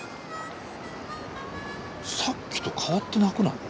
さっきと変わってなくない？